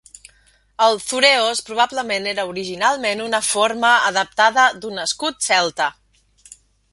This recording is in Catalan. El "thureos" probablement era originalment una forma adaptada d'un escut celta.